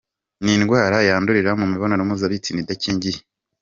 Ni indwara yandurira mu mibonano mpuzabitsina idakingiye.